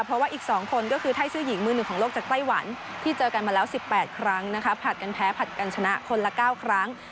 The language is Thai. เพราะว่าอีก๒คนก็คือไทยชื่อหญิงมือหนึ่งของโลกจากไต้หวันที่เจอกันมาแล้ว๑๘ครั้งนะคะผลัดกันแพ้ผลัดกันชนะคนละ๙ครั้ง